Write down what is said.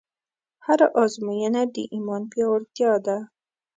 هره ازموینه د ایمان پیاوړتیا ده.